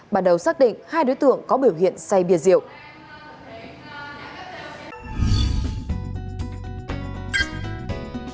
bắt đầu xác định hai đối tượng có biểu hiện say bia rượu